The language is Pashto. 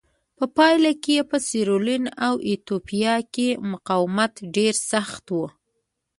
په پایله کې په سیریلیون او ایتوپیا کې مقاومت ډېر سخت و.